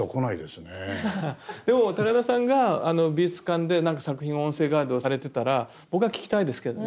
でも高田さんが美術館で何か作品音声ガイドをされてたら僕は聴きたいですけどね。